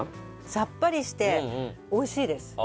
さっぱりしておいしいです。